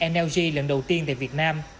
nlg lần đầu tiên tại việt nam